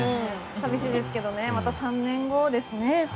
寂しいですけどまた３年後ですね。